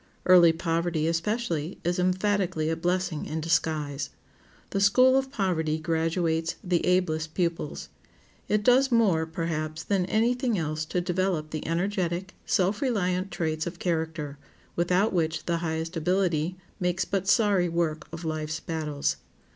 Early poverty, especially, is emphatically a blessing in disguise. The school of poverty graduates the ablest pupils. It does more, perhaps, than any thing else to develop the energetic, self reliant traits of character, without which the highest ability makes but sorry work of life's battles.